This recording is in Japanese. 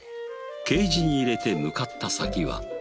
ケージに入れて向かった先は。